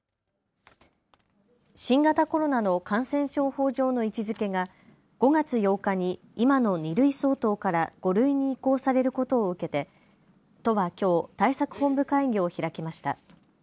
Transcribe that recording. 新型コロナの感染症法上の位置づけが５月８日に今の２類相当から５類に移行されることを受けて都はきょう対策本部会議を開きました。